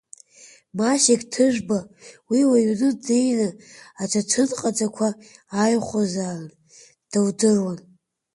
Масик Ҭыжәба уи лыҩны днеины аҭаҭынҟаҵақәа ааихәозаарын, дылдыруан.